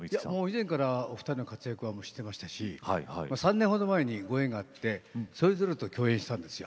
以前からお二人の活躍は知ってましたし３年ほど前にご縁があってそれぞれと共演したんですよ。